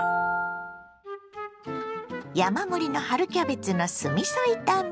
山盛りの春キャベツの酢みそ炒め。